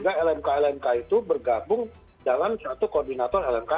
sehingga lmk lmk itu bergabung dalam satu koordinator lmkn